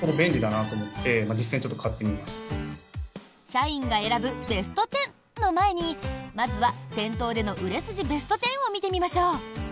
社員が選ぶベスト１０の前にまずは店頭での売れ筋ベスト１０を見てみましょう。